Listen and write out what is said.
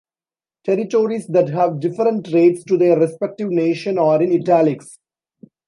Territories that have different rates to their respective nation are in italics.